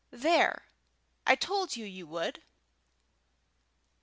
There, I told you you would!"